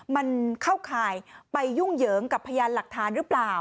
มันเข้าข่ายไปยุ่งเหยิงกับพยานหลักฐานหรือเปล่า